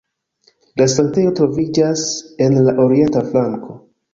La sanktejo troviĝas en la orienta flanko.